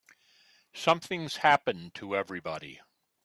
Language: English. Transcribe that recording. Something's happened to everybody.